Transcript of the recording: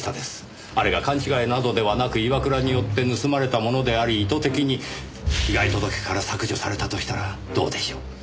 あれが勘違いなどではなく岩倉によって盗まれたものであり意図的に被害届から削除されたとしたらどうでしょう？